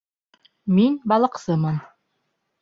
Мин балыҡсымын